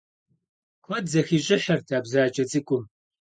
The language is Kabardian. Kued zexiş'ıhırt a bzace ts'ık'um.